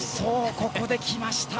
ここできました。